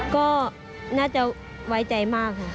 ก็น่าจะไว้ใจมากค่ะ